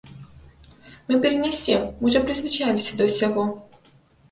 Мы перанясем, мы ўжо прызвычаіліся да ўсяго.